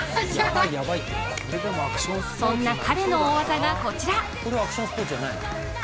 そんな彼の大技がこちら！